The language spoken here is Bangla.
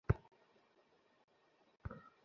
মিথ্যা কেন বলেছ আমাকে?